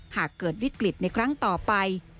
หากเกิดวิกฤตในครั้งต่อไป